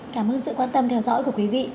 cảm ơn sự quan tâm theo dõi của quý vị